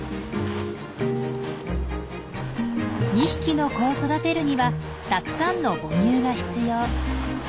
２匹の子を育てるにはたくさんの母乳が必要。